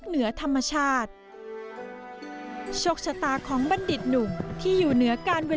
หมดผล่านท่านที่สอง